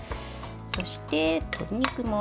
そして、鶏肉も。